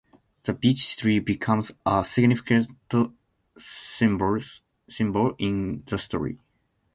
The beech tree becomes a significant symbol in the story.